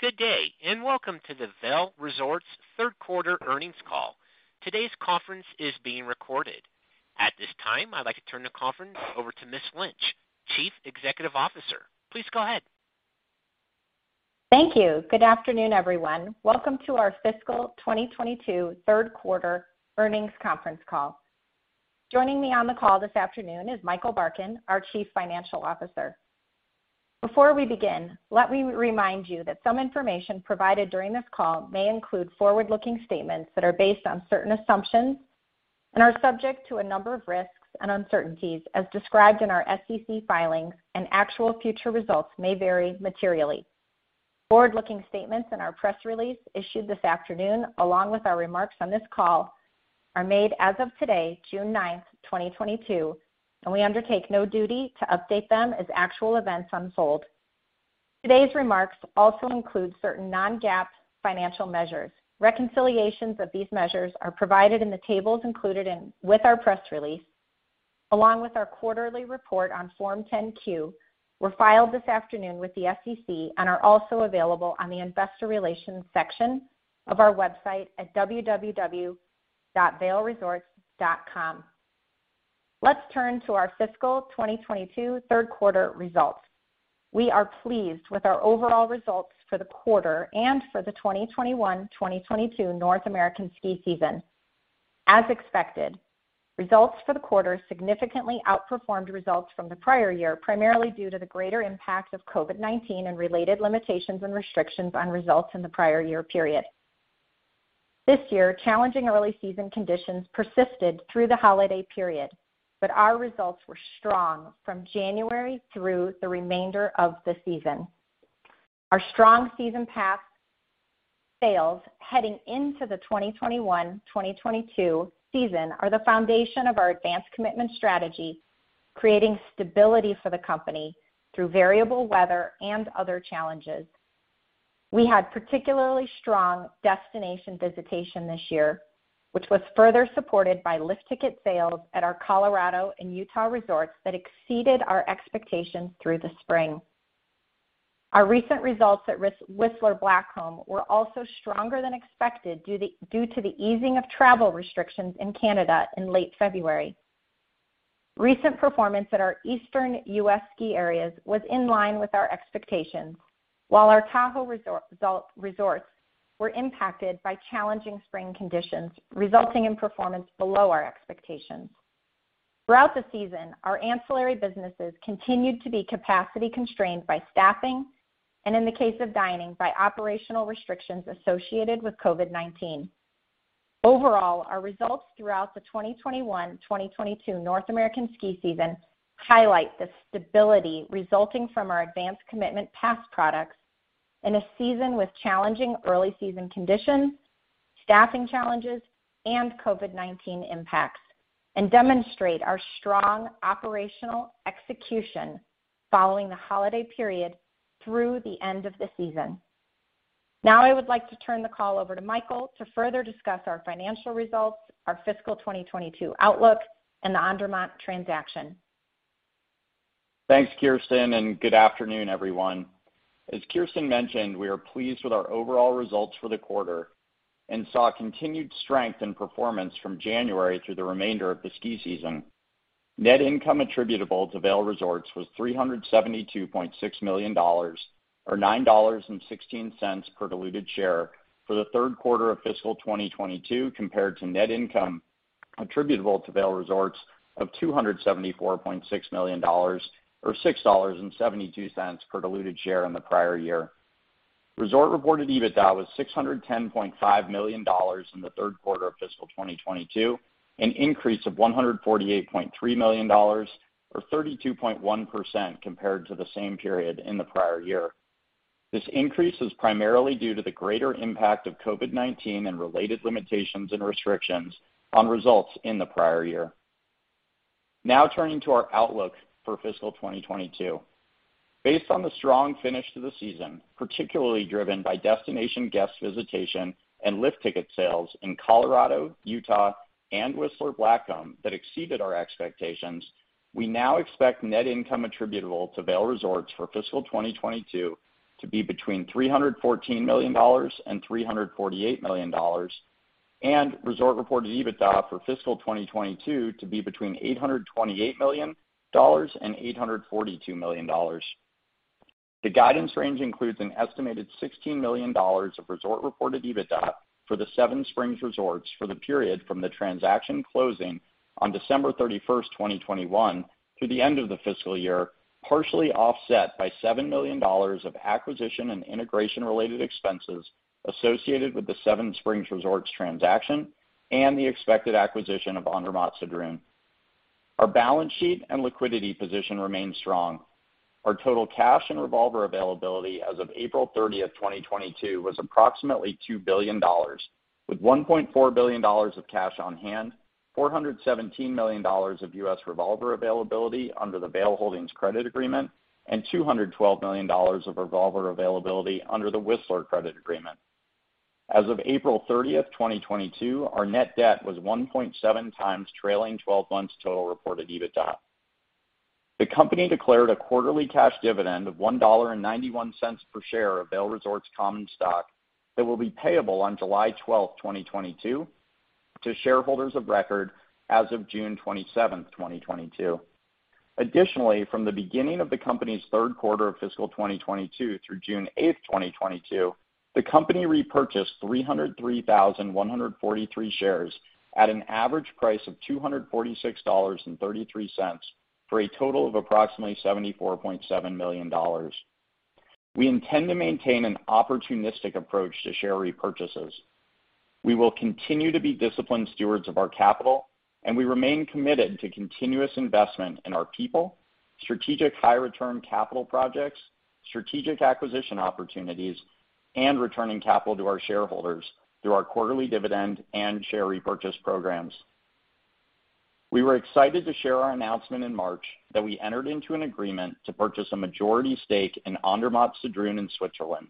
Good day, and welcome to the Vail Resorts Q3 earnings call. Today's conference is being recorded. At this time, I'd like to turn the conference over to Ms. Lynch, Chief Executive Officer. Please go ahead. Thank you. Good afternoon, everyone. Welcome to our Fiscal 2022 Q3 Earnings Conference Call. Joining me on the call this afternoon is Michael Barkin, our Chief Financial Officer. Before we begin, let me remind you that some information provided during this call may include forward-looking statements that are based on certain assumptions and are subject to a number of risks and uncertainties as described in our SEC filings, and actual future results may vary materially. Forward-looking statements in our press release issued this afternoon, along with our remarks on this call, are made as of today, June 9th, 2022, and we undertake no duty to update them as actual events unfold. Today's remarks also include certain non-GAAP financial measures. Reconciliations of these measures are provided in the tables included with our press release, along with our quarterly report on Form 10-Q, were filed this afternoon with the SEC and are also available on the investor relations section of our website at www.vailresorts.com. Let's turn to our fiscal 2022 Q3 results. We are pleased with our overall results for the quarter and for the 2021-2022 North American ski season. As expected, results for the quarter significantly outperformed results from the prior year, primarily due to the greater impact of COVID-19 and related limitations and restrictions on results in the prior year period. This year, challenging early season conditions persisted through the holiday period, but our results were strong from January through the remainder of the season. Our strong season pass sales heading into the 2021-2022 season are the foundation of our advanced commitment strategy, creating stability for the company through variable weather and other challenges. We had particularly strong destination visitation this year, which was further supported by lift ticket sales at our Colorado and Utah resorts that exceeded our expectations through the spring. Our recent results at Whistler Blackcomb were also stronger than expected due to the easing of travel restrictions in Canada in late February. Recent performance at our Eastern U.S. ski areas was in line with our expectations, while our Tahoe resorts were impacted by challenging spring conditions, resulting in performance below our expectations. Throughout the season, our ancillary businesses continued to be capacity constrained by staffing, and in the case of dining, by operational restrictions associated with COVID-19. Overall, our results throughout the 2021/2022 North American ski season highlight the stability resulting from our advanced commitment pass products in a season with challenging early season conditions, staffing challenges, and COVID-19 impacts, and demonstrate our strong operational execution following the holiday period through the end of the season. Now I would like to turn the call over to Michael to further discuss our financial results, our fiscal 2022 outlook, and the Andermatt transaction. Thanks, Kirsten, and good afternoon, everyone. As Kirsten mentioned, we are pleased with our overall results for the quarter and saw continued strength in performance from January through the remainder of the ski season. Net income attributable to Vail Resorts was $372.6 million, or $9.16 per diluted share for the Q3 of fiscal 2022 compared to net income attributable to Vail Resorts of $274.6 million, or $6.72 per diluted share in the prior year. Resort Reported EBITDA was $610.5 million in the Q3 of fiscal 2022, an increase of $148.3 million or 32.1% compared to the same period in the prior year. This increase is primarily due to the greater impact of COVID-19 and related limitations and restrictions on results in the prior year. Now turning to our outlook for fiscal 2022. Based on the strong finish to the season, particularly driven by destination guest visitation and lift ticket sales in Colorado, Utah, and Whistler Blackcomb that exceeded our expectations, we now expect net income attributable to Vail Resorts for fiscal 2022 to be between $314 million and $348 million, and Resort-reported EBITDA for fiscal 2022 to be between $828 million and $842 million. The guidance range includes an estimated $16 million of Resort-reported EBITDA for the Seven Springs Resort for the period from the transaction closing on December 31st, 2021, through the end of the fiscal year, partially offset by $7 million of acquisition and integration-related expenses associated with the Seven Springs Resort transaction and the expected acquisition of Andermatt-Sedrun. Our balance sheet and liquidity position remain strong. Our total cash and revolver availability as of April 30th, 2022, was approximately $2 billion, with $1.4 billion of cash on hand, $417 million of U.S. revolver availability under the Vail Holdings Credit Agreement, and $212 million of revolver availability under the Whistler Credit Agreement. As of April 30th, 2022, our net debt was 1.7x trailing twelve months total reported EBITDA. The company declared a quarterly cash dividend of $1.91 per share of Vail Resorts common stock that will be payable on July 12th, 2022 to shareholders of record as of June 27th, 2022. Additionally, from the beginning of the company's Q3 of fiscal 2022 through June 8th, 2022, the company repurchased 303,143 shares at an average price of $246.33, for a total of approximately $74.7 million. We intend to maintain an opportunistic approach to share repurchases. We will continue to be disciplined stewards of our capital, and we remain committed to continuous investment in our people, strategic high return capital projects, strategic acquisition opportunities, and returning capital to our shareholders through our quarterly dividend and share repurchase programs. We were excited to share our announcement in March that we entered into an agreement to purchase a majority stake in Andermatt-Sedrun in Switzerland,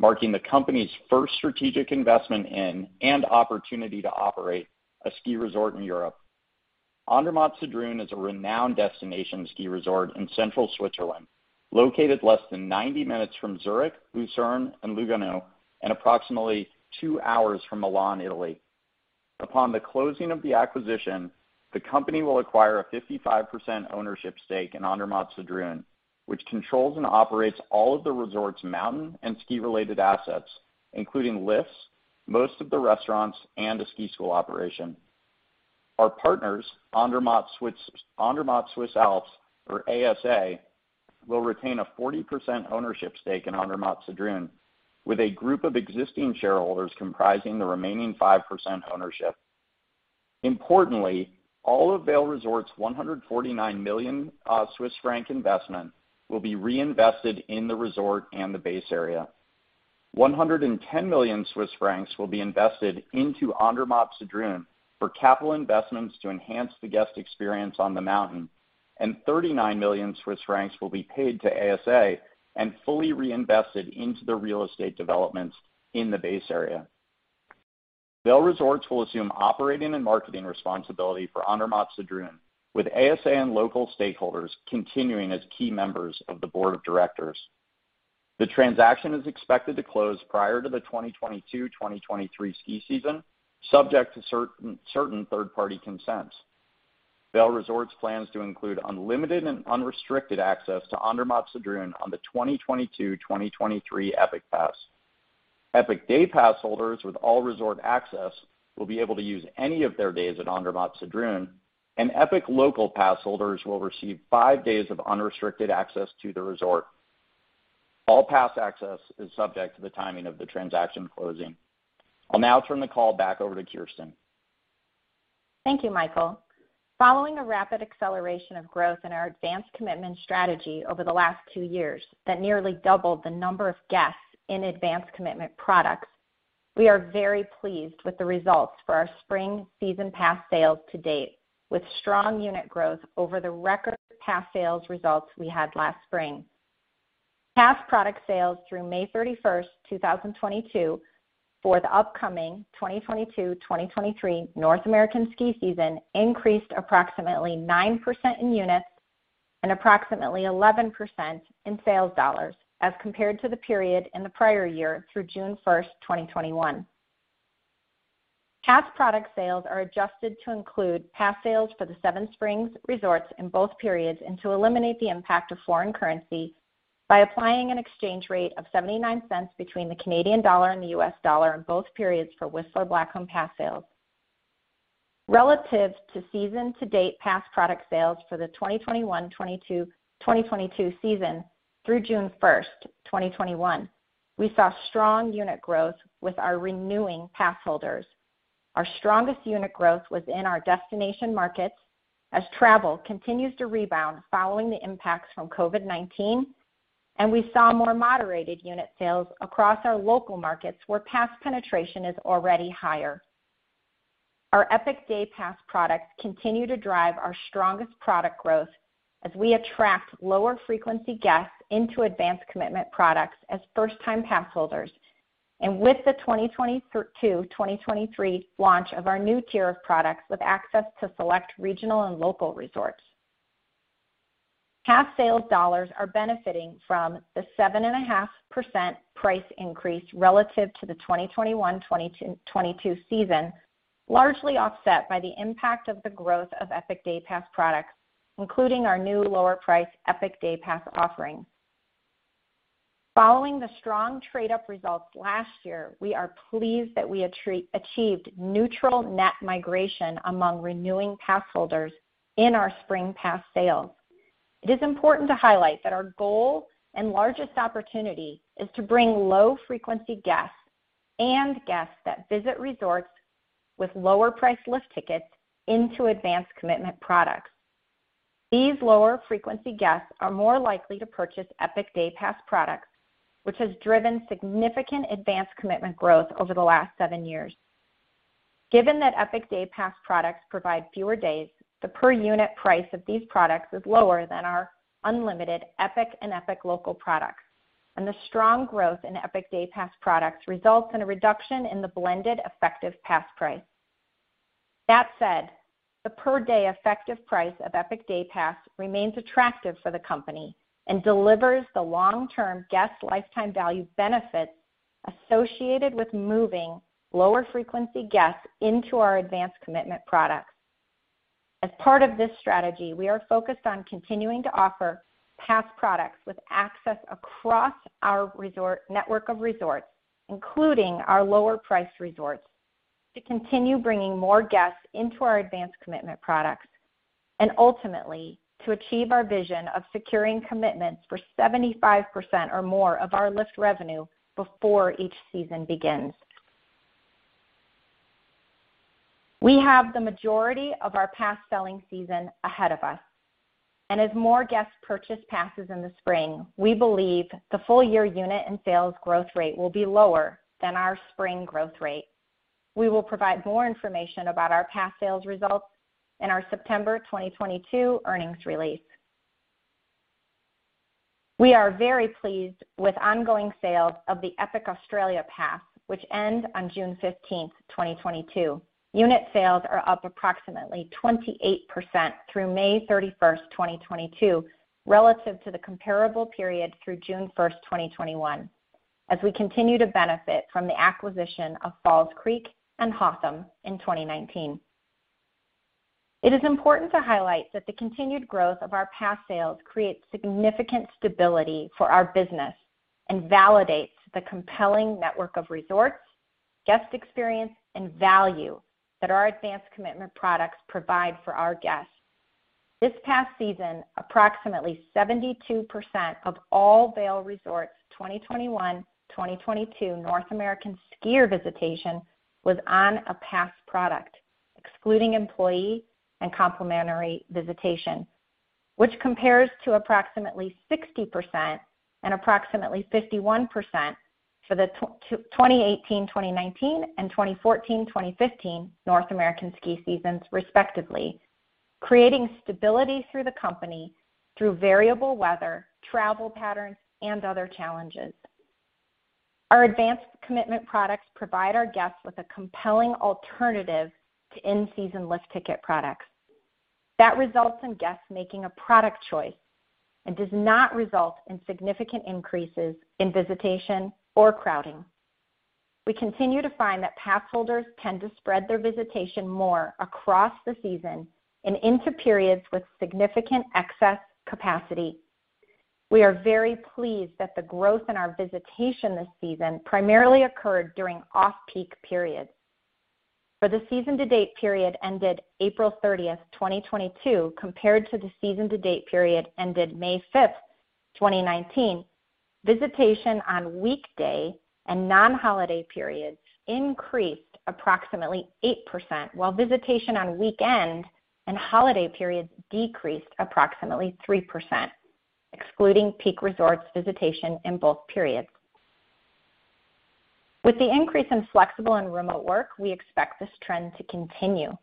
marking the company's first strategic investment in and opportunity to operate a ski resort in Europe. Andermatt-Sedrun is a renowned destination ski resort in central Switzerland, located less than 90 minutes from Zurich, Lucerne, and Lugano, and approximately two hours from Milan, Italy. Upon the closing of the acquisition, the company will acquire a 55% ownership stake in Andermatt-Sedrun, which controls and operates all of the resort's mountain and ski-related assets, including lifts, most of the restaurants, and a ski school operation. Our partners, Andermatt Swiss Alps, or ASA, will retain a 40% ownership stake in Andermatt-Sedrun, with a group of existing shareholders comprising the remaining 5% ownership. Importantly, all of Vail Resorts 149 million Swiss franc investment will be reinvested in the resort and the base area. 110 million Swiss francs will be invested into Andermatt-Sedrun for capital investments to enhance the guest experience on the mountain, and 39 million Swiss francs will be paid to ASA and fully reinvested into the real estate developments in the base area. Vail Resorts will assume operating and marketing responsibility for Andermatt-Sedrun, with ASA and local stakeholders continuing as key members of the board of directors. The transaction is expected to close prior to the 2022-2023 ski season, subject to certain third-party consents. Vail Resorts plans to include unlimited and unrestricted access to Andermatt-Sedrun on the 2022-2023 Epic Pass. Epic Day Pass holders with all-resort access will be able to use any of their days at Andermatt-Sedrun, and Epic Local Pass holders will receive five days of unrestricted access to the resort. All pass access is subject to the timing of the transaction closing. I'll now turn the call back over to Kirsten. Thank you, Michael. Following a rapid acceleration of growth in our advanced commitment strategy over the last two years that nearly doubled the number of guests in advanced commitment products, we are very pleased with the results for our spring season pass sales to date, with strong unit growth over the record pass sales results we had last spring. Pass product sales through May 31st, 2022 for the upcoming 2022/2023 North American ski season increased approximately 9% in units and approximately 11% in sales dollars as compared to the period in the prior year through June 1st, 2021. Pass product sales are adjusted to include pass sales for the Seven Springs Resorts in both periods and to eliminate the impact of foreign currency by applying an exchange rate of 0.79 between the Canadian dollar and the U.S dollar in both periods for Whistler Blackcomb pass sales. Relative to season-to-date pass product sales for the 2021/2022 season through June 1st, 2021, we saw strong unit growth with our renewing pass holders. Our strongest unit growth was in our destination markets as travel continues to rebound following the impacts from COVID-19, and we saw more moderated unit sales across our local markets where pass penetration is already higher. Our Epic Day Pass products continue to drive our strongest product growth as we attract lower frequency guests into advanced commitment products as first-time pass holders and with the 2023 launch of our new tier of products with access to select regional and local resorts. Pass sales dollars are benefiting from the 7.5% price increase relative to the 2021/2022 season, largely offset by the impact of the growth of Epic Day Pass products, including our new lower price Epic Day Pass offerings. Following the strong trade-up results last year, we are pleased that we achieved neutral net migration among renewing pass holders in our spring pass sales. It is important to highlight that our goal and largest opportunity is to bring low frequency guests and guests that visit resorts with lower priced lift tickets into advanced commitment products. These lower frequency guests are more likely to purchase Epic Day Pass products, which has driven significant advanced commitment growth over the last seven years. Given that Epic Day Pass products provide fewer days, the per unit price of these products is lower than our unlimited Epic and Epic Local products, and the strong growth in Epic Day Pass products results in a reduction in the blended effective pass price. That said, the per day effective price of Epic Day Pass remains attractive for the company and delivers the long term guest lifetime value benefits associated with moving lower frequency guests into our advanced commitment products. As part of this strategy, we are focused on continuing to offer pass products with access across our resort network of resorts, including our lower priced resorts, to continue bringing more guests into our advanced commitment products and ultimately to achieve our vision of securing commitments for 75% or more of our lift revenue before each season begins. We have the majority of our pass selling season ahead of us, and as more guests purchase passes in the spring, we believe the full year unit and sales growth rate will be lower than our spring growth rate. We will provide more information about our pass sales results in our September 2022 earnings release. We are very pleased with ongoing sales of the Epic Australia Pass, which ends on June 15th, 2022. Unit sales are up approximately 28% through May 31st, 2022 relative to the comparable period through June 1st, 2021 as we continue to benefit from the acquisition of Falls Creek and Hotham in 2019. It is important to highlight that the continued growth of our pass sales creates significant stability for our business and validates the compelling network of resorts, guest experience and value that our advanced commitment products provide for our guests. This past season, approximately 72% of all Vail Resorts 2021-2022 North American skier visitation was on a pass product excluding employee and complimentary visitation, which compares to approximately 60% and approximately 51% for the 2018-2019 and 2014-2015 North American ski seasons respectively, creating stability throughout the company through variable weather, travel patterns and other challenges. Our advanced commitment products provide our guests with a compelling alternative to in-season lift ticket products. That results in guests making a product choice and does not result in significant increases in visitation or crowding. We continue to find that pass holders tend to spread their visitation more across the season and into periods with significant excess capacity. We are very pleased that the growth in our visitation this season primarily occurred during off-peak periods. For the season to date period ended April 30th, 2022 compared to the season to date period ended May 5th, 2019, visitation on weekday and non-holiday periods increased approximately 8%, while visitation on weekend and holiday periods decreased approximately 3%, excluding Peak Resorts visitation in both periods. With the increase in flexible and remote work, we expect this trend to continue.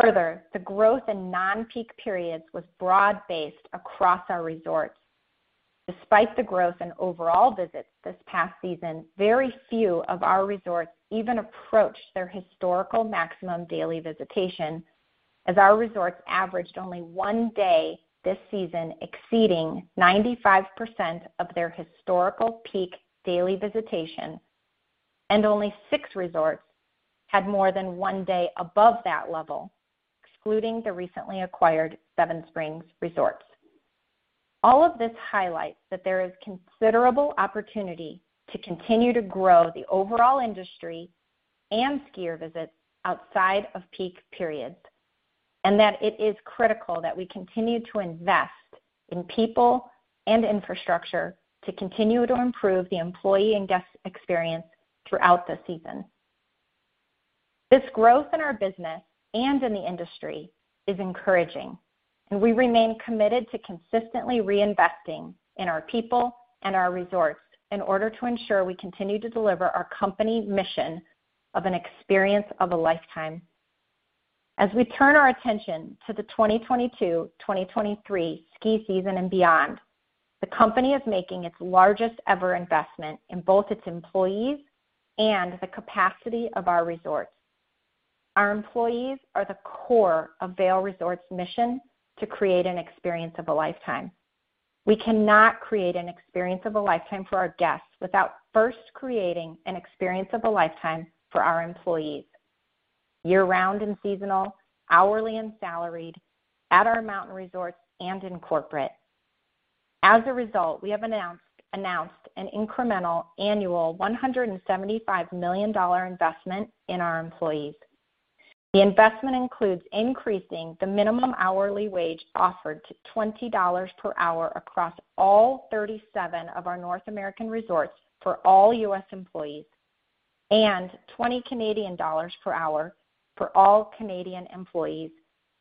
Further, the growth in non-peak periods was broad based across our resorts. Despite the growth in overall visits this past season, very few of our resorts even approached their historical maximum daily visitation as our resorts averaged only one day this season exceeding 95% of their historical peak daily visitation, and only six resorts had more than one day above that level, excluding the recently acquired Seven Springs Mountain Resort. All of this highlights that there is considerable opportunity to continue to grow the overall industry and skier visits outside of peak periods, and that it is critical that we continue to invest in people and infrastructure to continue to improve the employee and guest experience throughout the season. This growth in our business and in the industry is encouraging, and we remain committed to consistently reinvesting in our people and our resorts in order to ensure we continue to deliver our company mission of an experience of a lifetime. As we turn our attention to the 2022-2023 ski season and beyond, the company is making its largest ever investment in both its employees and the capacity of our resorts. Our employees are the core of Vail Resorts' mission to create an experience of a lifetime. We cannot create an experience of a lifetime for our guests without first creating an experience of a lifetime for our employees, year round and seasonal, hourly and salaried at our mountain resorts and in corporate. As a result, we have announced an incremental annual $175 million investment in our employees. The investment includes increasing the minimum hourly wage offered to $20 per hour across all 37 of our North American resorts for all U.S employees and 20 Canadian dollars per hour for all Canadian employees,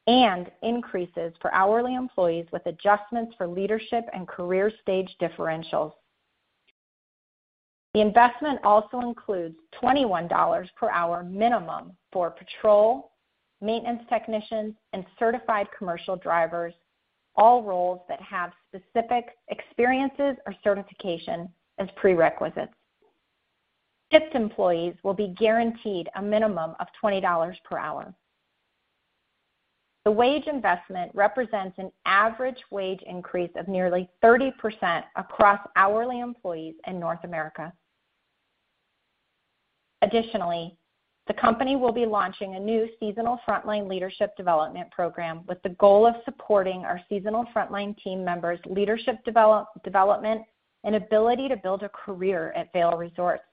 and increases for hourly employees with adjustments for leadership and career stage differentials. The investment also includes $21 per hour minimum for patrol, maintenance technicians and certified commercial drivers, all roles that have specific experiences or certification as prerequisites. Tipped employees will be guaranteed a minimum of $20 per hour. The wage investment represents an average wage increase of nearly 30% across hourly employees in North America. Additionally, the company will be launching a new seasonal frontline leadership development program with the goal of supporting our seasonal frontline team members' leadership development and ability to build a career at Vail Resorts.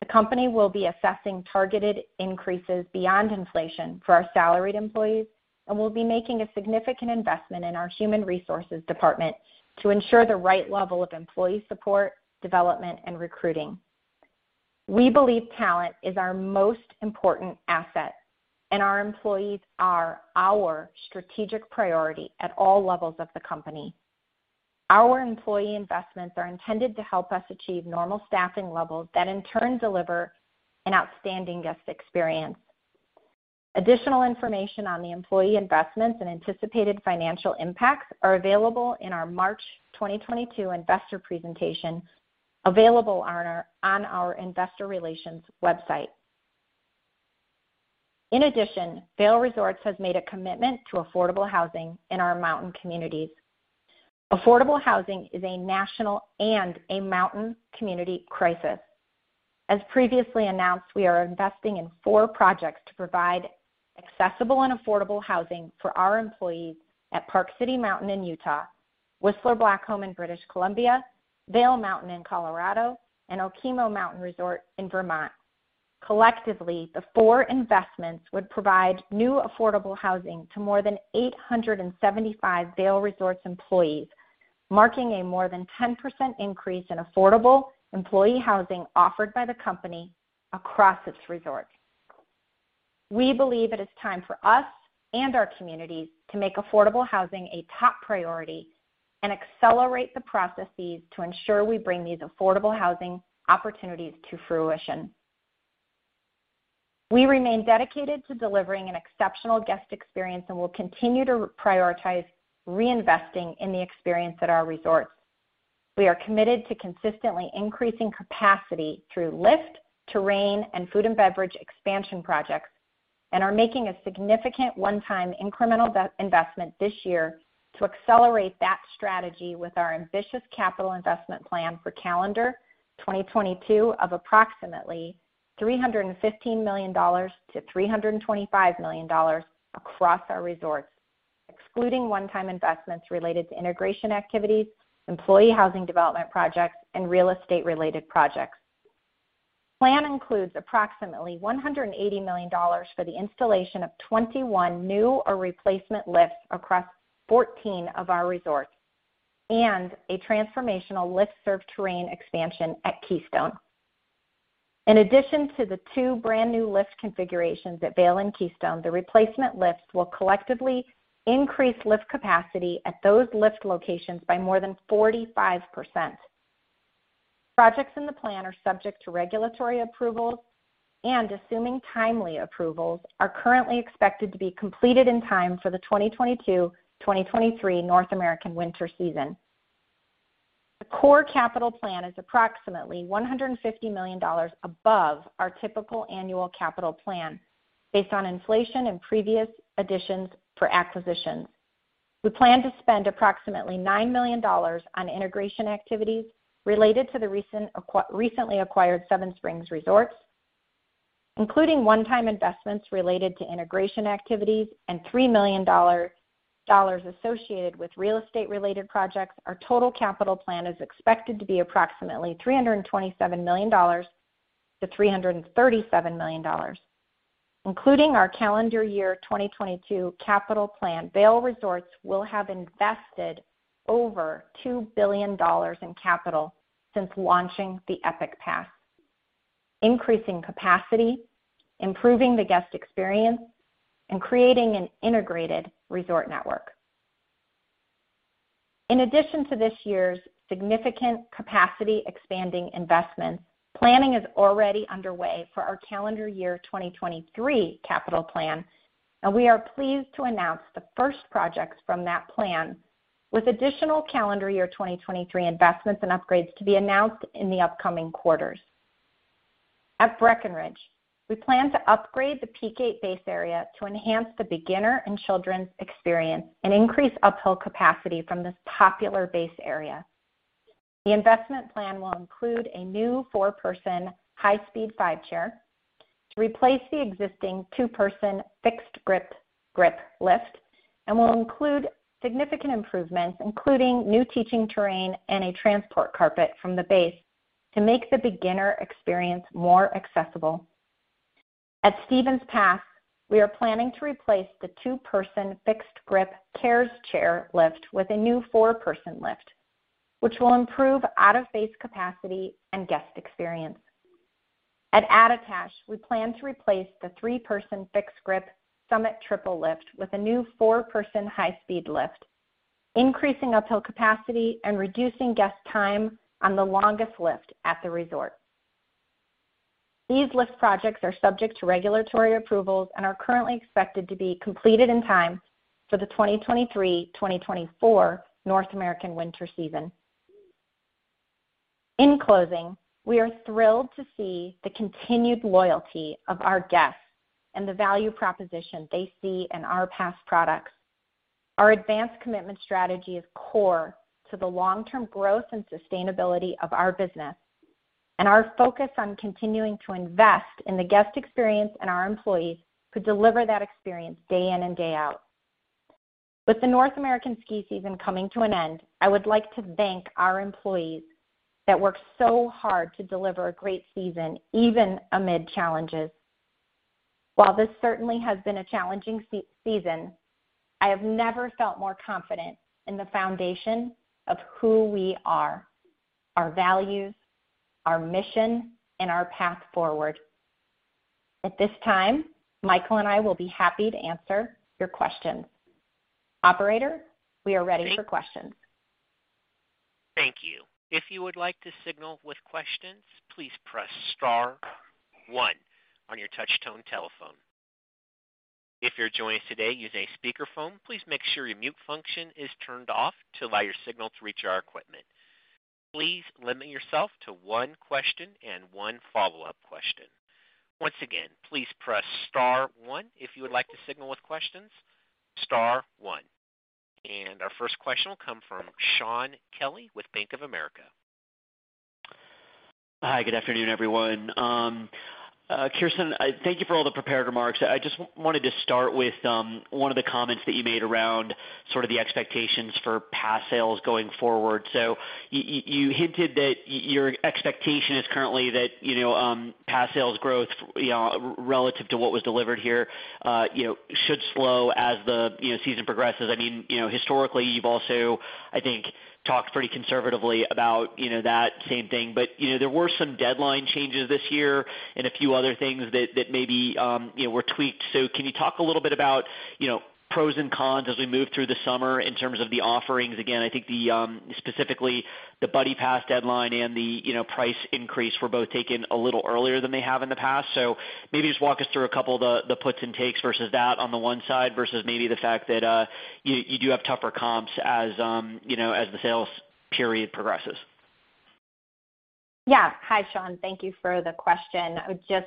The company will be assessing targeted increases beyond inflation for our salaried employees and will be making a significant investment in our human resources department to ensure the right level of employee support, development, and recruiting. We believe talent is our most important asset, and our employees are our strategic priority at all levels of the company. Our employee investments are intended to help us achieve normal staffing levels that in turn deliver an outstanding guest experience. Additional information on the employee investments and anticipated financial impacts are available in our March 2022 investor presentation available on our investor relations website. In addition, Vail Resorts has made a commitment to affordable housing in our mountain communities. Affordable housing is a national and a mountain community crisis. As previously announced, we are investing in four projects to provide accessible and affordable housing for our employees at Park City Mountain in Utah, Whistler Blackcomb in British Columbia, Vail Mountain in Colorado, and Okemo Mountain Resort in Vermont. Collectively, the four investments would provide new affordable housing to more than 875 Vail Resorts employees, marking a more than 10% increase in affordable employee housing offered by the company across its resorts. We believe it is time for us and our communities to make affordable housing a top priority and accelerate the processes to ensure we bring these affordable housing opportunities to fruition. We remain dedicated to delivering an exceptional guest experience and will continue to prioritize reinvesting in the experience at our resorts. We are committed to consistently increasing capacity through lift, terrain, and food and beverage expansion projects, and are making a significant one-time incremental re-investment this year to accelerate that strategy with our ambitious capital investment plan for calendar 2022 of approximately $315 million-$325 million across our resorts, excluding one-time investments related to integration activities, employee housing development projects, and real estate related projects. Plan includes approximately $180 million for the installation of 21 new or replacement lifts across 14 of our resorts and a transformational lift-served terrain expansion at Keystone. In addition to the two brand-new lift configurations at Vail and Keystone, the replacement lifts will collectively increase lift capacity at those lift locations by more than 45%. Projects in the plan are subject to regulatory approvals and, assuming timely approvals, are currently expected to be completed in time for the 2022/2023 North American winter season. The core capital plan is approximately $150 million above our typical annual capital plan based on inflation and previous additions for acquisitions. We plan to spend approximately $9 million on integration activities related to the recently acquired Seven Springs Mountain Resort. Including one-time investments related to integration activities and $3 million associated with real estate-related projects, our total capital plan is expected to be approximately $327 million-$337 million. Including our calendar year 2022 capital plan, Vail Resorts will have invested over $2 billion in capital since launching the Epic Pass, increasing capacity, improving the guest experience, and creating an integrated resort network. In addition to this year's significant capacity expanding investments, planning is already underway for our calendar year 2023 capital plan, and we are pleased to announce the first projects from that plan with additional calendar year 2023 investments and upgrades to be announced in the upcoming quarters. At Breckenridge, we plan to upgrade the Peak Eight base area to enhance the beginner and children's experience and increase uphill capacity from this popular base area. The investment plan will include a new four-person high-speed quad chair to replace the existing two-person fixed-grip lift and will include significant improvements, including new teaching terrain and a transport carpet from the base to make the beginner experience more accessible. At Stevens Pass, we are planning to replace the two-person fixed-grip Kehr's Chair lift with a new four-person lift, which will improve out-of-base capacity and guest experience. At Attitash, we plan to replace the three-person fixed-grip Summit triple lift with a new four-person high-speed lift, increasing uphill capacity and reducing guest time on the longest lift at the resort. These listed projects are subject to regulatory approvals and are currently expected to be completed in time for the 2023/2024 North American winter season. In closing, we are thrilled to see the continued loyalty of our guests and the value proposition they see in our pass products. Our advanced commitment strategy is core to the long-term growth and sustainability of our business, and our focus on continuing to invest in the guest experience and our employees to deliver that experience day in and day out. With the North American ski season coming to an end, I would like to thank our employees that worked so hard to deliver a great season, even amid challenges. While this certainly has been a challenging ski season, I have never felt more confident in the foundation of who we are, our values, our mission, and our path forward. At this time, Michael and I will be happy to answer your questions. Operator, we are ready for questions. Thank you. If you would like to signal with questions, please press star one on your touchtone telephone. If you're joining us today using a speakerphone, please make sure your mute function is turned off to allow your signal to reach our equipment. Please limit yourself to one question and one follow-up question. Once again, please press star one if you would like to signal with questions, star one. Our first question will come from Shaun Kelley with Bank of America. Hi, good afternoon, everyone. Kirsten, thank you for all the prepared remarks. I just wanted to start with one of the comments that you made around sort of the expectations for pass sales going forward. You hinted that your expectation is currently that, you know, pass sales growth, you know, relative to what was delivered here, you know, should slow as the, you know, season progresses. I mean, you know, historically, you've also, I think, talked pretty conservatively about, you know, that same thing. You know, there were some deadline changes this year and a few other things that maybe, you know, were tweaked. Can you talk a little bit about, you know, pros and cons as we move through the summer in terms of the offerings? Again, I think the specifically the Buddy Ticket deadline and the, you know, price increase were both taken a little earlier than they have in the past. Maybe just walk us through a couple of the puts and takes versus that on the one side versus maybe the fact that you do have tougher comps as you know, as the sales period progresses. Yeah. Hi, Shaun. Thank you for the question. I would just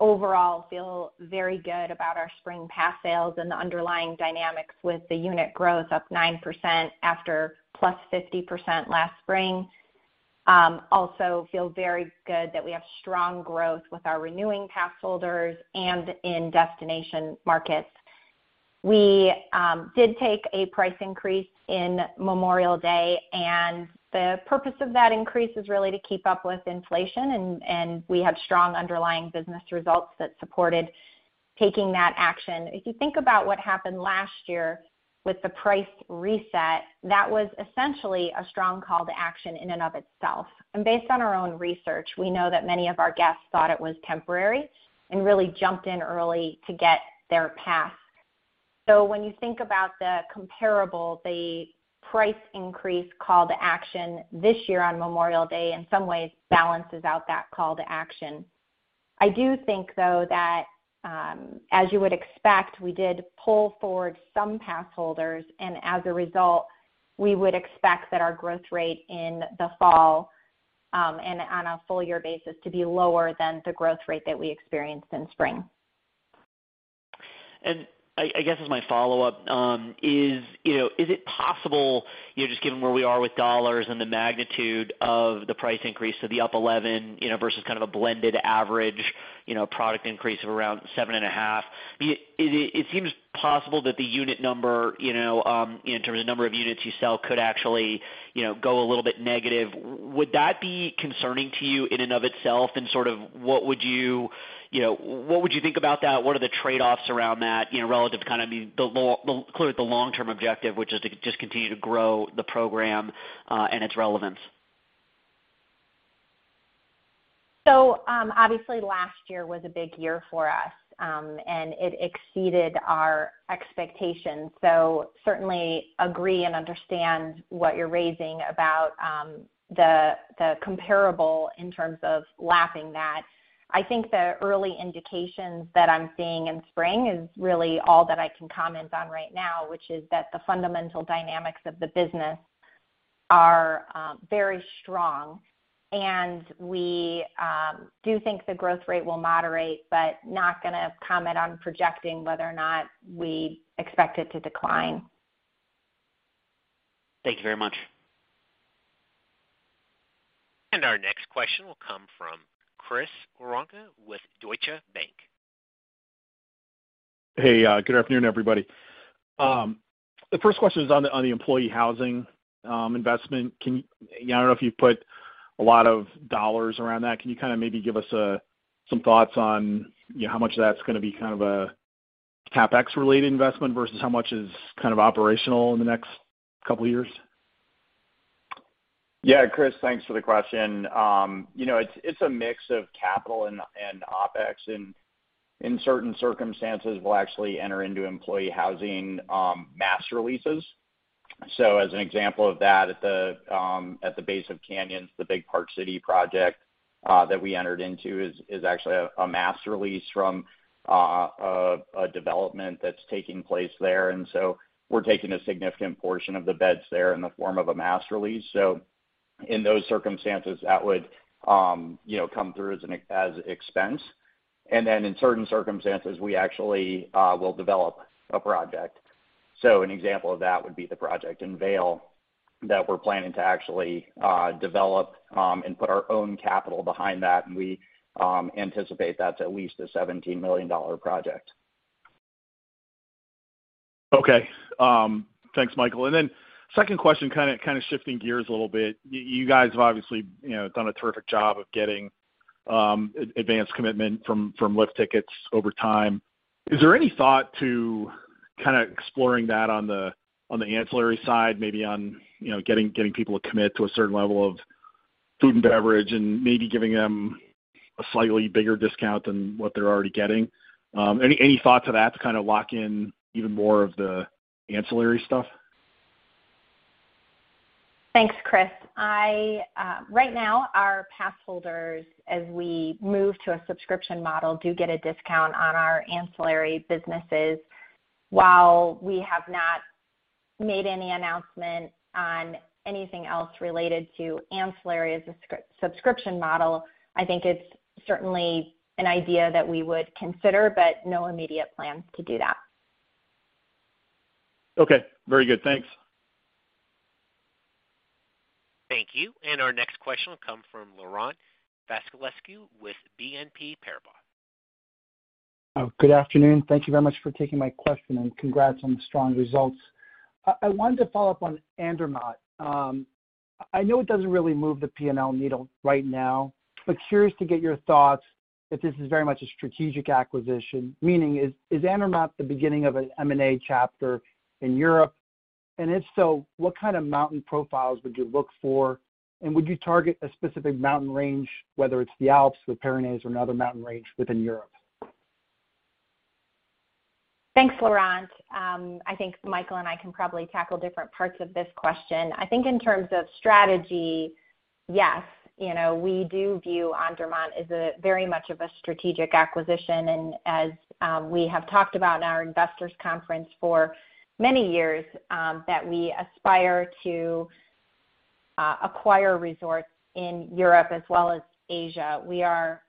overall feel very good about our spring pass sales and the underlying dynamics with the unit growth up 9% after +50% last spring. Also feel very good that we have strong growth with our renewing pass holders and in destination markets. We did take a price increase in Memorial Day, and the purpose of that increase is really to keep up with inflation, and we have strong underlying business results that supported taking that action. If you think about what happened last year with the price reset, that was essentially a strong call to action in and of itself. Based on our own research, we know that many of our guests thought it was temporary and really jumped in early to get their pass. When you think about the comparable, the price increase call to action this year on Memorial Day in some ways balances out that call to action. I do think, though, that, as you would expect, we did pull forward some pass holders, and as a result, we would expect that our growth rate in the fall, and on a full year basis to be lower than the growth rate that we experienced in spring. I guess as my follow-up, is it possible, you know, just given where we are with dollars and the magnitude of the price increase up 11%, you know, versus kind of a blended average, you know, product increase of around 7.5%, it seems possible that the unit number, you know, in terms of the number of units you sell could actually, you know, go a little bit negative. Would that be concerning to you in and of itself? And sort of what would you know, what would you think about that? What are the trade-offs around that, you know, relative to kind of, I mean, the long-term objective, which is to just continue to grow the program and its relevance? Obviously last year was a big year for us, and it exceeded our expectations. Certainly agree and understand what you're raising about the comparable in terms of lapping that. I think the early indications that I'm seeing in spring is really all that I can comment on right now, which is that the fundamental dynamics of the business are very strong, and we do think the growth rate will moderate, but not gonna comment on projecting whether or not we expect it to decline. Thank you very much. Our next question will come from Chris Woronka with Deutsche Bank. Hey, good afternoon, everybody. The first question is on the employee housing investment. I don't know if you've put a lot of dollars around that. Can you kinda maybe give us some thoughts on, you know, how much of that's gonna be kind of a CapEx related investment versus how much is kind of operational in the next couple of years? Yeah, Chris, thanks for the question. You know, it's a mix of capital and OpEx. In certain circumstances, we'll actually enter into employee housing master leases. As an example of that, at the base of Canyons, the big Park City project that we entered into is actually a master lease from a development that's taking place there. We're taking a significant portion of the beds there in the form of a master lease. In those circumstances, that would come through as an expense. In certain circumstances, we actually will develop a project. An example of that would be the project in Vail that we're planning to actually develop and put our own capital behind that. We anticipate that's at least a $17 million project. Okay. Thanks, Michael. Second question, kinda shifting gears a little bit. You guys have obviously, you know, done a terrific job of getting advanced commitment from lift tickets over time. Is there any thought to kinda exploring that on the ancillary side, maybe on, you know, getting people to commit to a certain level of food and beverage and maybe giving them a slightly bigger discount than what they're already getting? Any thoughts of that to kinda lock in even more of the ancillary stuff? Thanks, Chris. Right now, our pass holders, as we move to a subscription model, do get a discount on our ancillary businesses. While we have not made any announcement on anything else related to ancillary, as a subscription model, I think it's certainly an idea that we would consider, but no immediate plans to do that. Okay. Very good. Thanks. Thank you. Our next question will come from Laurent Vasilescu with BNP Paribas. Good afternoon. Thank you very much for taking my question, and congrats on the strong results. I wanted to follow up on Andermatt. I know it doesn't really move the P&L needle right now, but curious to get your thoughts if this is very much a strategic acquisition, meaning is Andermatt the beginning of an M&A chapter in Europe? If so, what kind of mountain profiles would you look for? Would you target a specific mountain range, whether it's the Alps, the Pyrenees, or another mountain range within Europe? Thanks, Laurent. I think Michael and I can probably tackle different parts of this question. I think in terms of strategy, yes, you know, we do view Andermatt as a very much of a strategic acquisition. As we have talked about in our investors conference for many years, that we aspire to acquire resorts in Europe as well as Asia. We are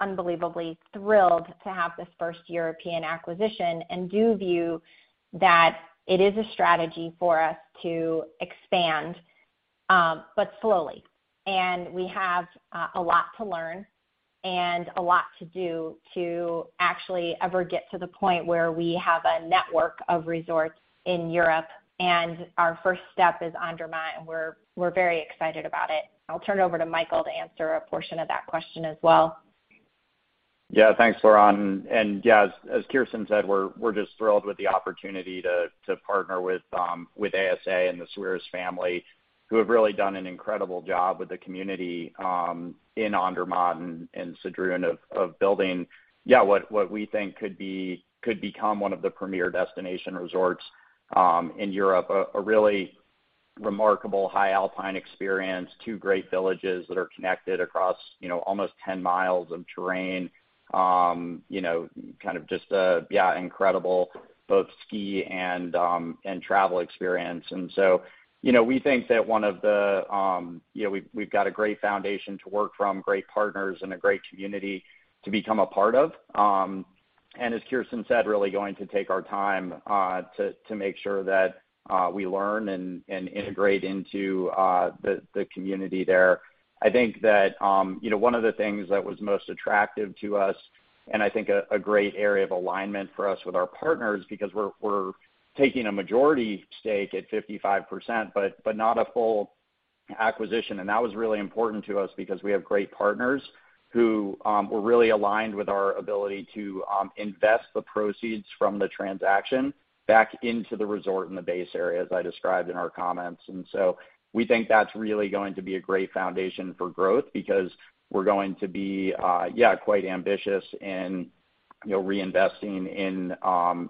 unbelievably thrilled to have this first European acquisition and do view that it is a strategy for us to expand, but slowly. We have a lot to learn and a lot to do to actually ever get to the point where we have a network of resorts in Europe, and our first step is Andermatt, and we're very excited about it. I'll turn it over to Michael to answer a portion of that question as well. Yeah. Thanks, Laurent. As Kirsten said, we're just thrilled with the opportunity to partner with ASA and the Sawiris family, who have really done an incredible job with the community in Andermatt and Sedrun of building what we think could become one of the premier destination resorts in Europe. A really remarkable high alpine experience, two great villages that are connected across you know almost 10 miles of terrain. You know, kind of just a incredible both ski and travel experience. You know, we think that one of the you know we've got a great foundation to work from, great partners and a great community to become a part of. As Kirsten said, really going to take our time to make sure that we learn and integrate into the community there. I think that, you know, one of the things that was most attractive to us and I think a great area of alignment for us with our partners because we're taking a majority stake at 55%, but not a full acquisition. That was really important to us because we have great partners who were really aligned with our ability to invest the proceeds from the transaction back into the resort in the base area, as I described in our comments. We think that's really going to be a great foundation for growth because we're going to be quite ambitious in, you know, reinvesting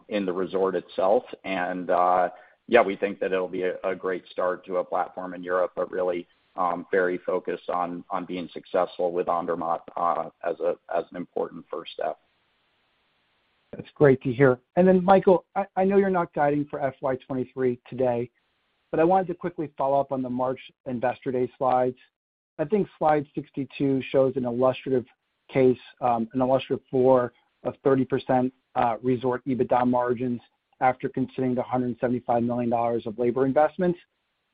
in the resort itself. We think that it'll be a great start to a platform in Europe, but really, very focused on being successful with Andermatt, as an important first step. That's great to hear. Michael, I know you're not guiding for FY 2023 today, but I wanted to quickly follow up on the March Investor Day slides. I think slide 62 shows an illustrative case, an illustrative floor of 30% resort EBITDA margins after considering the $175 million of labor investments.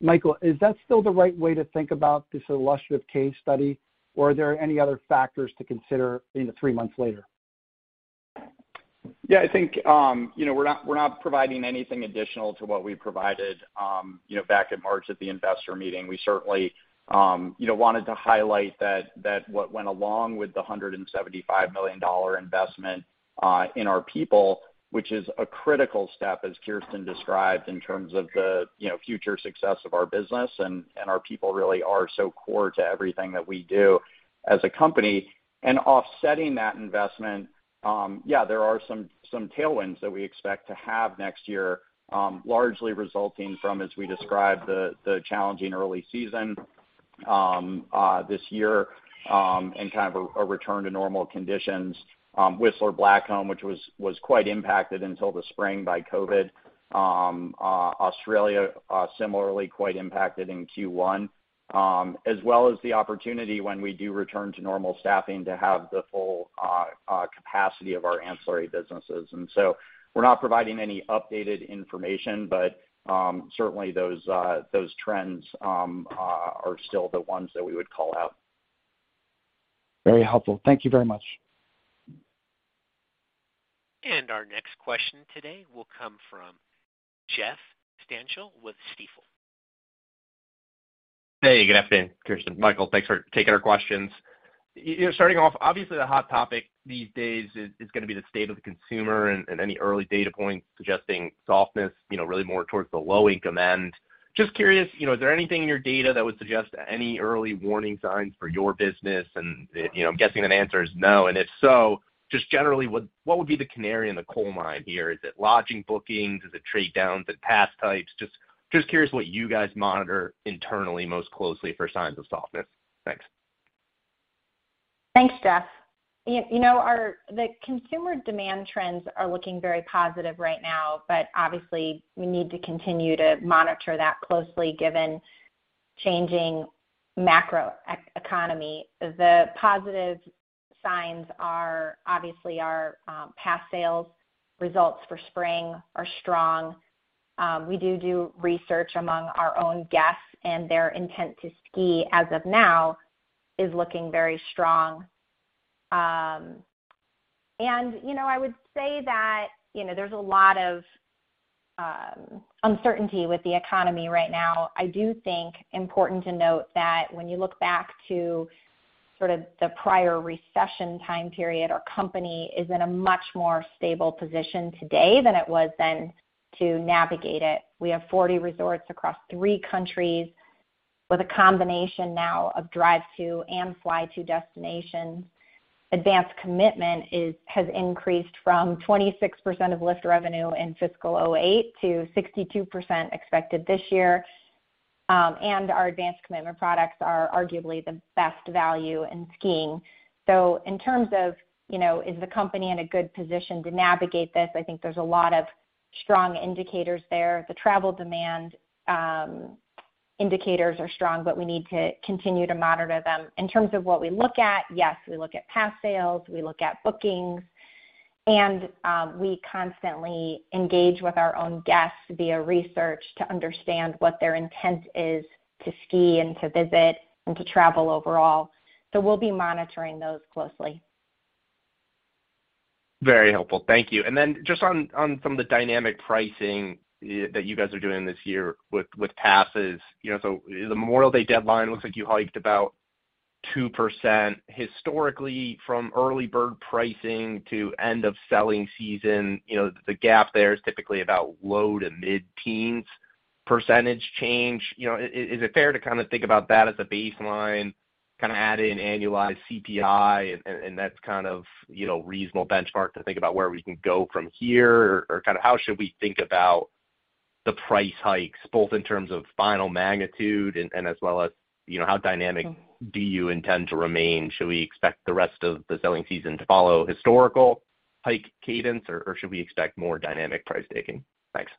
Michael, is that still the right way to think about this illustrative case study, or are there any other factors to consider, you know, three months later? Yeah, I think, you know, we're not providing anything additional to what we provided, you know, back in March at the investor meeting. We certainly, you know, wanted to highlight that what went along with the $175 million investment in our people, which is a critical step, as Kirsten described, in terms of the, you know, future success of our business. Our people really are so core to everything that we do as a company. Offsetting that investment, yeah, there are some tailwinds that we expect to have next year, largely resulting from, as we described, the challenging early season. This year and kind of a return to normal conditions. Whistler Blackcomb, which was quite impacted until the spring by COVID. Australia, similarly quite impacted in Q1, as well as the opportunity when we do return to normal staffing to have the full capacity of our ancillary businesses. We're not providing any updated information, but certainly those trends are still the ones that we would call out. Very helpful. Thank you very much. Our next question today will come from Jeffrey Stantial with Stifel. Hey, good afternoon, Kirsten, Michael. Thanks for taking our questions. You know, starting off, obviously, the hot topic these days is gonna be the state of the consumer and any early data points suggesting softness, you know, really more towards the low-income end. Just curious, you know, is there anything in your data that would suggest any early warning signs for your business? You know, I'm guessing that answer is no. And if so, just generally, what would be the canary in the coal mine here? Is it lodging bookings? Is it trade downs at pass types? Just curious what you guys monitor internally most closely for signs of softness. Thanks. Thanks, Jeff. You know, our consumer demand trends are looking very positive right now, but obviously we need to continue to monitor that closely given changing macro economy. The positive signs are obviously our past sales results for spring are strong. We do research among our own guests, and their intent to ski as of now is looking very strong. You know, I would say that, you know, there's a lot of uncertainty with the economy right now. I do think important to note that when you look back to sort of the prior recession time period, our company is in a much more stable position today than it was then to navigate it. We have 40 resorts across three countries with a combination now of drive to and fly to destinations. Advanced commitment has increased from 26% of lift revenue in fiscal 2008 to 62% expected this year. Our advanced commitment products are arguably the best value in skiing. In terms of, you know, is the company in a good position to navigate this? I think there's a lot of strong indicators there. The travel demand, indicators are strong, but we need to continue to monitor them. In terms of what we look at, yes, we look at pass sales, we look at bookings, and, we constantly engage with our own guests via research to understand what their intent is to ski and to visit and to travel overall. We'll be monitoring those closely. Very helpful. Thank you. Just on some of the dynamic pricing that you guys are doing this year with passes. You know, the Memorial Day deadline looks like you hiked about 2%. Historically, from early bird pricing to end of selling season, you know, the gap there is typically about low- to mid-teens% change. You know, is it fair to kinda think about that as a baseline, kinda add in annualized CPI, and that's kind of, you know, reasonable benchmark to think about where we can go from here? Kinda how should we think about the price hikes both in terms of final magnitude and as well as, you know, how dynamic do you intend to remain? Should we expect the rest of the selling season to follow historical hike cadence, or should we expect more dynamic price taking? Thanks.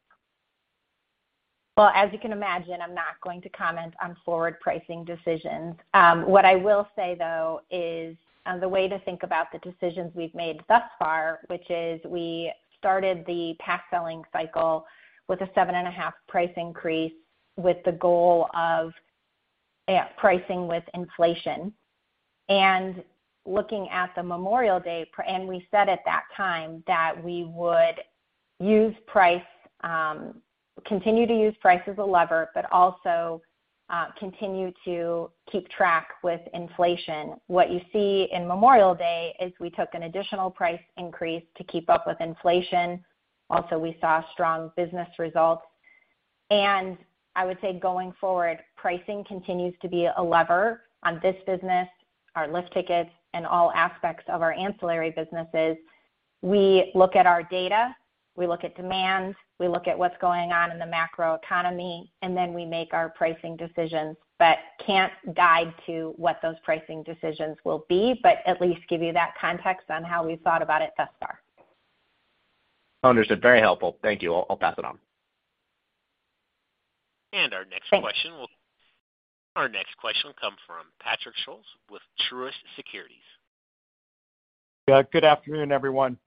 Well, as you can imagine, I'm not going to comment on forward pricing decisions. What I will say though is the way to think about the decisions we've made thus far, which is we started the pass selling cycle with a 7.5 price increase, with the goal of pricing with inflation. Looking at the Memorial Day, we said at that time that we would continue to use price as a lever, but also continue to keep pace with inflation. What you see in Memorial Day is we took an additional price increase to keep up with inflation. Also, we saw strong business results. I would say going forward, pricing continues to be a lever on this business, our lift tickets and all aspects of our ancillary businesses. We look at our data, we look at demand, we look at what's going on in the macro economy, and then we make our pricing decisions. Can't guide to what those pricing decisions will be, but at least give you that context on how we've thought about it thus far. Understood. Very helpful. Thank you. I'll pass it on. Thanks. Our next question will come from Patrick Scholes with Truist Securities. Yeah, good afternoon, everyone.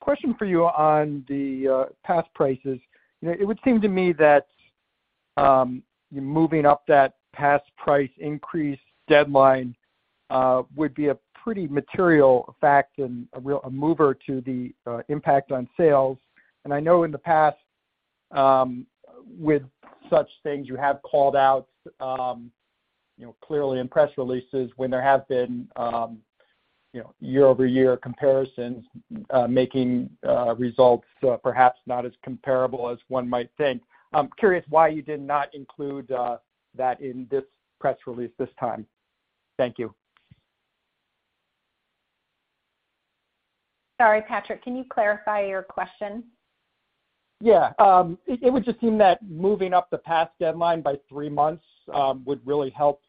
Question for you on the pass prices. You know, it would seem to me that moving up that pass price increase deadline would be a pretty material fact and a real mover to the impact on sales. I know in the past, with such things you have called out, you know, clearly in press releases when there have been year-over-year comparisons making results perhaps not as comparable as one might think. I'm curious why you did not include that in this press release this time. Thank you. Sorry, Patrick, can you clarify your question? Yeah. It would just seem that moving up the pass deadline by three months would really help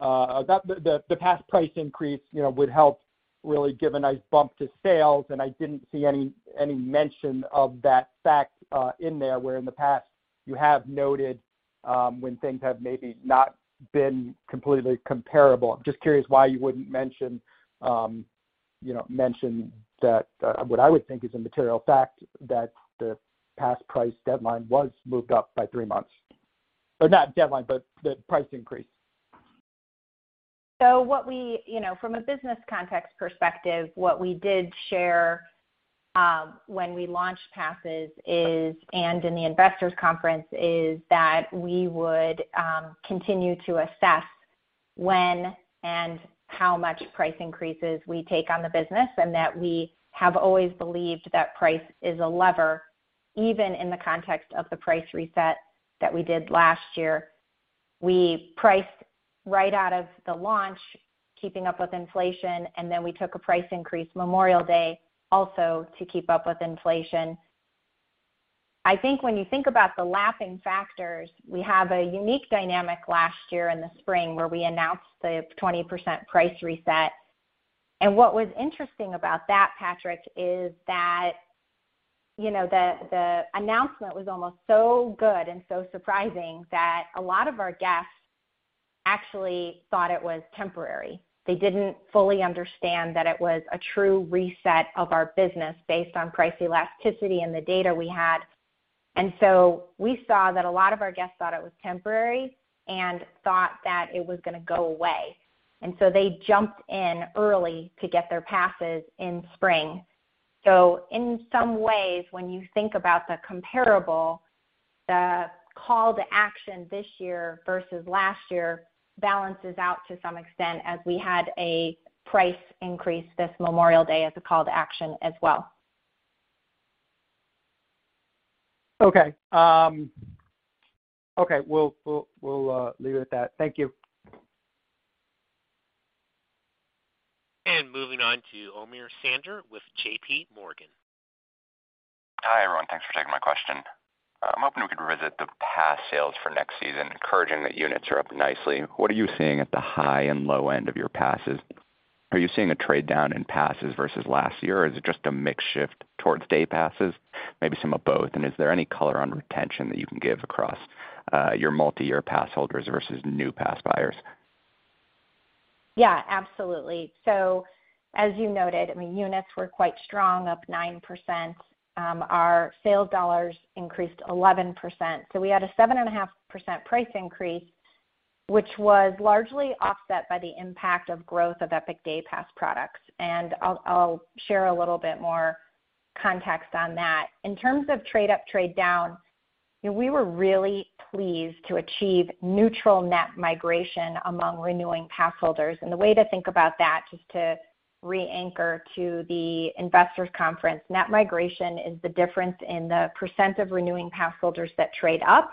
the pass price increase, you know, would help really give a nice bump to sales, and I didn't see any mention of that fact in there, where in the past you have noted when things have maybe not been completely comparable. I'm just curious why you wouldn't mention, you know, mention that what I would think is a material fact that the pass price deadline was moved up by three months, or not deadline, but the price increase. What we, you know, from a business context perspective, what we did share when we launched passes is, and in the investor conference is that we would continue to assess when and how much price increases we take on the business, and that we have always believed that price is a lever, even in the context of the price reset that we did last year. We priced right out of the launch, keeping up with inflation, and then we took a price increase Memorial Day also to keep up with inflation. I think when you think about the lapping factors, we have a unique dynamic last year in the spring where we announced the 20% price reset. What was interesting about that, Patrick, is that, you know, the announcement was almost so good and so surprising that a lot of our guests actually thought it was temporary. They didn't fully understand that it was a true reset of our business based on price elasticity and the data we had. We saw that a lot of our guests thought it was temporary and thought that it was gonna go away. They jumped in early to get their passes in spring. In some ways, when you think about the comparable, the call to action this year versus last year balances out to some extent as we had a price increase this Memorial Day as a call to action as well. Okay. We'll leave it at that. Thank you. Moving on to Brandt Montour with JPMorgan. Hi, everyone. Thanks for taking my question. I'm hoping we could revisit the pass sales for next season, encouraging that units are up nicely. What are you seeing at the high and low end of your passes? Are you seeing a trade down in passes versus last year, or is it just a mix shift towards day passes? Maybe some of both. Is there any color on retention that you can give across your multiyear pass holders versus new pass buyers? Yeah, absolutely. As you noted, I mean, units were quite strong, up 9%. Our sales dollars increased 11%. We had a 7.5% price increase, which was largely offset by the impact of growth of Epic Day Pass products. I'll share a little bit more context on that. In terms of trade up, trade down, we were really pleased to achieve neutral net migration among renewing pass holders. The way to think about that, just to re-anchor to the investors conference, net migration is the difference in the percent of renewing pass holders that trade up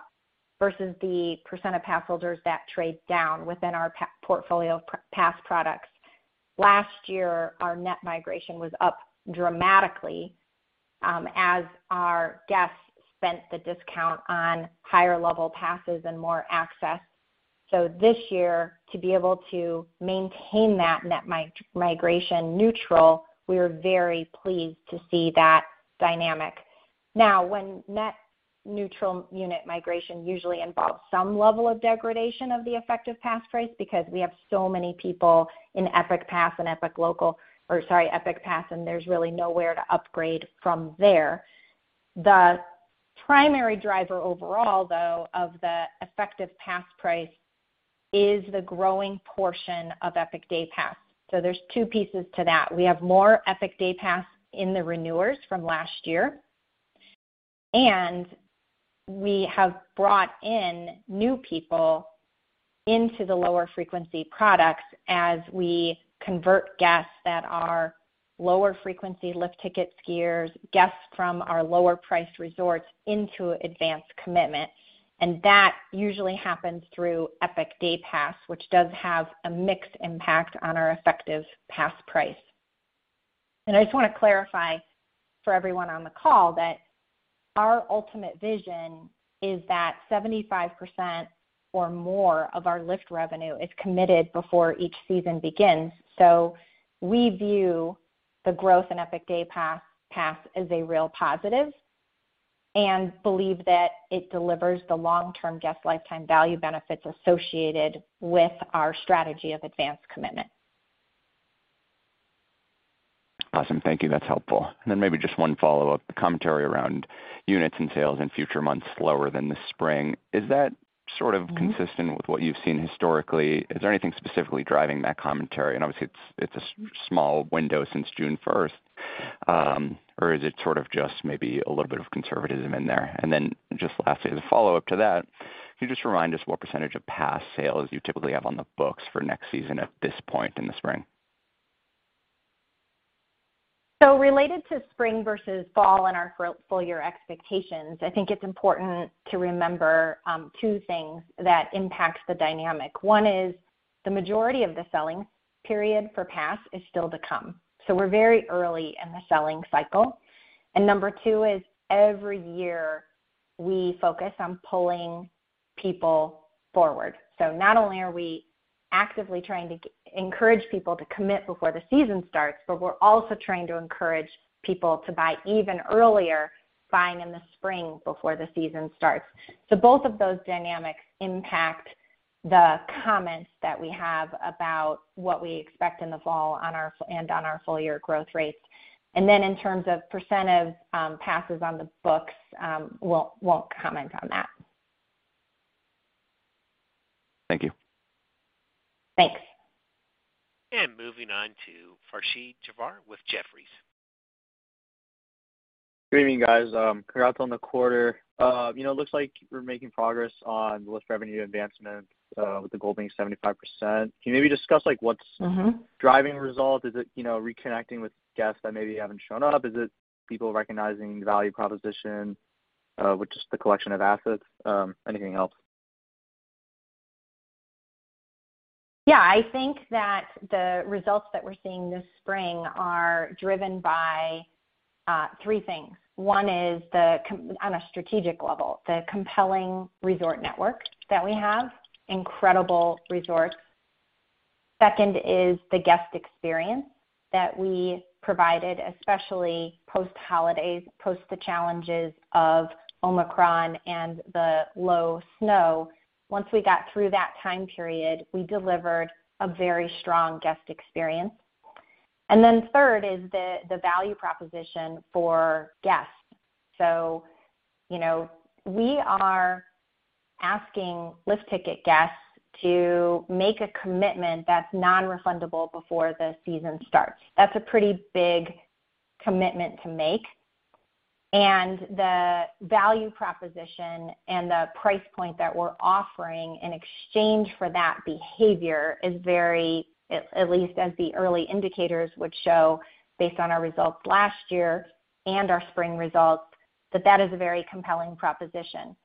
versus the percent of pass holders that trade down within our portfolio of pass products. Last year, our net migration was up dramatically, as our guests spent the discount on higher level passes and more access. This year, to be able to maintain that net migration neutral, we are very pleased to see that dynamic. Now, when net neutral unit migration usually involves some level of degradation of the effective pass price because we have so many people in Epic Pass and Epic Local, or sorry, Epic Pass, and there's really nowhere to upgrade from there. The primary driver overall, though, of the effective pass price is the growing portion of Epic Day Pass. There's two pieces to that. We have more Epic Day Pass in the renewers from last year, and we have brought in new people into the lower frequency products as we convert guests that are lower frequency lift ticket skiers, guests from our lower priced resorts into advanced commitment. That usually happens through Epic Day Pass, which does have a mixed impact on our effective pass price. I just wanna clarify for everyone on the call that our ultimate vision is that 75% or more of our lift revenue is committed before each season begins. We view the growth in Epic Day Pass as a real positive and believe that it delivers the long-term guest lifetime value benefits associated with our strategy of advanced commitment. Awesome. Thank you. That's helpful. Maybe just one follow-up. The commentary around units and sales in future months slower than the spring, is that sort of consistent with what you've seen historically? Is there anything specifically driving that commentary? Obviously it's a small window since June first. Or is it sort of just maybe a little bit of conservatism in there? Just lastly, as a follow-up to that, can you just remind us what percentage of pass sales you typically have on the books for next season at this point in the spring? Related to spring versus fall and our full year expectations, I think it's important to remember two things that impact the dynamic. One is the majority of the selling period for pass is still to come. We're very early in the selling cycle. Number two is every year we focus on pulling people forward. Not only are we actively trying to encourage people to commit before the season starts, but we're also trying to encourage people to buy even earlier, buying in the spring before the season starts. Both of those dynamics impact the comments that we have about what we expect in the fall on our and on our full year growth rates. Then in terms of percent of passes on the books, won't comment on that. Thank you. Thanks. Moving on to Farsheed Jabbari with Jefferies. Good evening, guys. Congrats on the quarter. You know, looks like we're making progress on lift revenue advancement, with the goal being 75%. Can you maybe discuss, like, what's- Mm-hmm Driving results? Is it, you know, reconnecting with guests that maybe haven't shown up? Is it people recognizing the value proposition, with just the collection of assets? Anything else? Yeah. I think that the results that we're seeing this spring are driven by three things. One is on a strategic level, the compelling resort network that we have, incredible resorts. Second is the guest experience that we provided, especially post-holiday, post the challenges of Omicron and the low snow. Once we got through that time period, we delivered a very strong guest experience. Third is the value proposition for guests. You know, we are asking lift ticket guests to make a commitment that's non-refundable before the season starts. That's a pretty big commitment to make. The value proposition and the price point that we're offering in exchange for that behavior is very, at least as the early indicators would show based on our results last year and our spring results, that is a very compelling proposition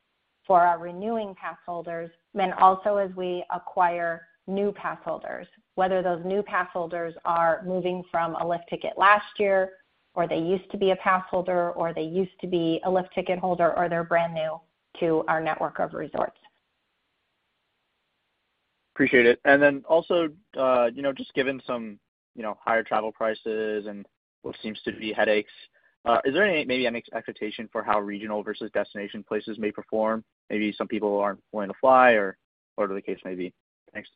for our renewing pass holders, and also as we acquire new pass holders, whether those new pass holders are moving from a lift ticket last year, or they used to be a pass holder, or they used to be a lift ticket holder, or they're brand new to our network of resorts. Appreciate it. Also, you know, just given some, you know, higher travel prices and what seems to be headaches, is there any, maybe any expectation for how regional versus destination places may perform? Maybe some people aren't willing to fly or whatever the case may be. Thanks.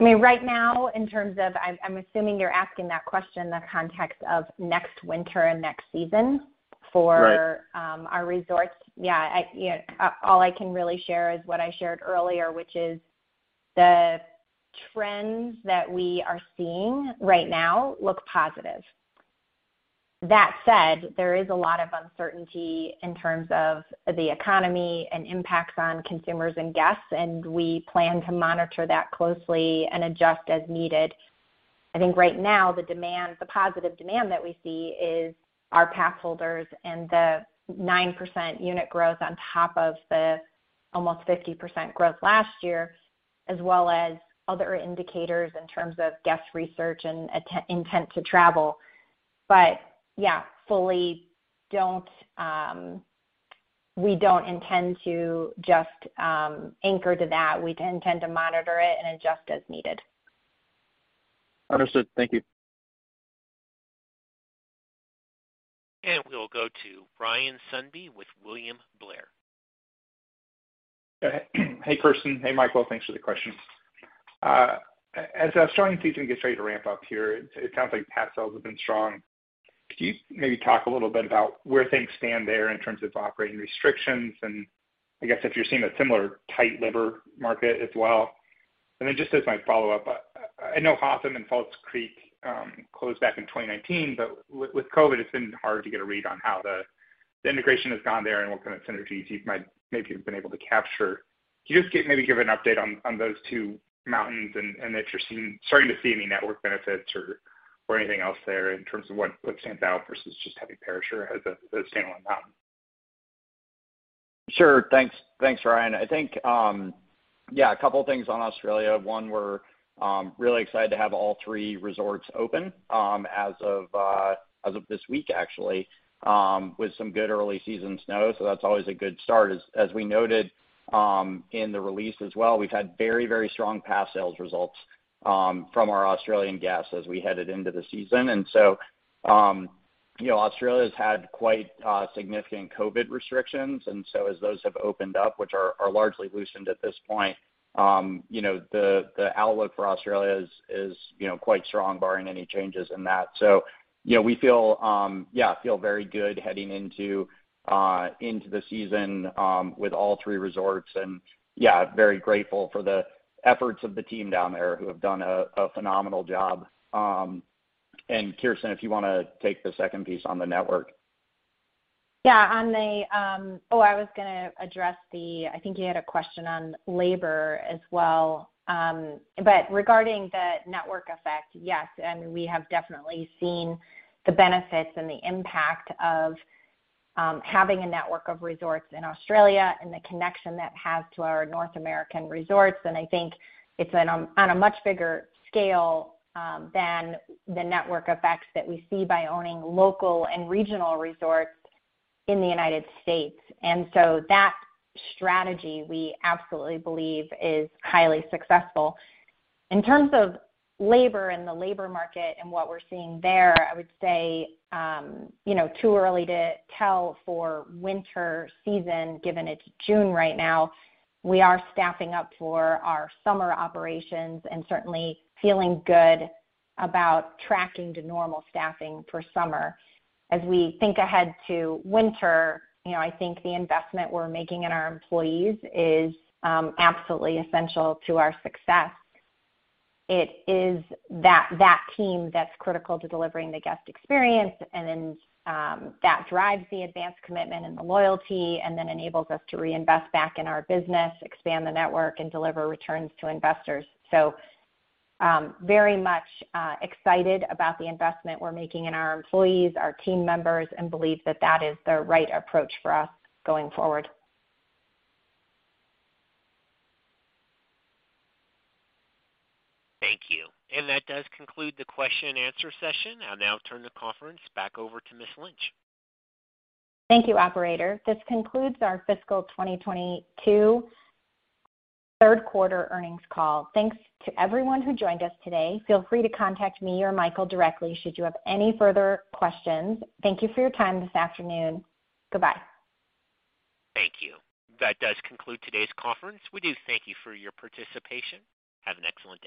I mean, right now, in terms of I'm assuming you're asking that question in the context of next winter and next season for Right our resorts. Yeah, I, you know, all I can really share is what I shared earlier, which is the trends that we are seeing right now look positive. That said, there is a lot of uncertainty in terms of the economy and impacts on consumers and guests, and we plan to monitor that closely and adjust as needed. I think right now, the demand, the positive demand that we see is our pass holders and the 9% unit growth on top of the almost 50% growth last year, as well as other indicators in terms of guest research and intent to travel. Yeah, we don't intend to just anchor to that. We do intend to monitor it and adjust as needed. Understood. Thank you. We'll go to Ryan Sundby with William Blair. Hey, Kirsten. Hey, Michael. Thanks for the questions. As our Australian season gets ready to ramp up here, it sounds like pass sales have been strong. Could you maybe talk a little bit about where things stand there in terms of operating restrictions and, I guess, if you're seeing a similar tight labor market as well? Just as my follow-up, I know Hotham and Falls Creek closed back in 2019, but with COVID, it's been hard to get a read on how the integration has gone there and what kind of synergies you might maybe have been able to capture. Can you just maybe give an update on those two mountains and if you're starting to see any network benefits or anything else there in terms of what stands out versus just having Perisher as a standalone mountain? Sure. Thanks. Thanks, Ryan. I think, yeah, a couple of things on Australia. One, we're really excited to have all three resorts open, as of this week, actually, with some good early-season snow. That's always a good start. As we noted, in the release as well, we've had very strong pass sales results, from our Australian guests as we headed into the season. Australia has had quite significant COVID restrictions, and so as those have opened up, which are largely loosened at this point, you know, the outlook for Australia is quite strong barring any changes in that. You know, we feel very good heading into the season, with all three resorts. Yeah, very grateful for the efforts of the team down there who have done a phenomenal job. Kirsten, if you wanna take the second piece on the network. Yeah. I think you had a question on labor as well. Regarding the network effect, yes, and we have definitely seen the benefits and the impact of having a network of resorts in Australia and the connection that has to our North American resorts, and I think it's on a much bigger scale than the network effects that we see by owning local and regional resorts in the United States. That strategy, we absolutely believe is highly successful. In terms of labor and the labor market and what we're seeing there, I would say, you know, too early to tell for winter season, given it's June right now. We are staffing up for our summer operations and certainly feeling good about tracking to normal staffing for summer. As we think ahead to winter, you know, I think the investment we're making in our employees is absolutely essential to our success. It is that team that's critical to delivering the guest experience, and then that drives the advanced commitment and the loyalty and then enables us to reinvest back in our business, expand the network, and deliver returns to investors. Very much excited about the investment we're making in our employees, our team members, and believe that that is the right approach for us going forward. Thank you. That does conclude the question and answer session. I'll now turn the conference back over to Ms. Lynch. Thank you, operator. This concludes our Fiscal 2022 Q3 Earnings Call. Thanks to everyone who joined us today. Feel free to contact me or Michael directly should you have any further questions. Thank you for your time this afternoon. Goodbye. Thank you. That does conclude today's conference. We do thank you for your participation. Have an excellent day.